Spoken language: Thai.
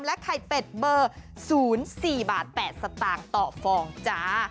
ไข่เป็ดเบอร์๐๔บาท๘สตางค์ต่อฟองจ้า